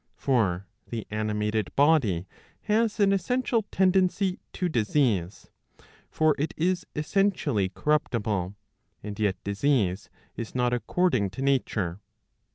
For the animated body has an essential tendency to disease; for it is essentially corruptible ; and yet disease is not according to nature.